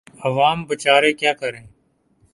عوام بیچارے کیا کریں۔